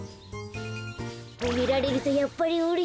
ほめられるとやっぱりうれしいな。